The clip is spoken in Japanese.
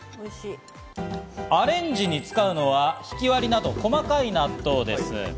アレンジに使うのは、ひきわりなど細かい納豆です。